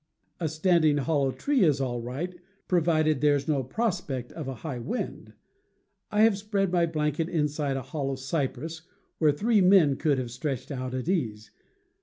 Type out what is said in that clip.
A standing hollow tree is all right, provided there is no prospect of a high wind. I have spread my blanket inside a hollow cypress where three men could have stretched out at ease.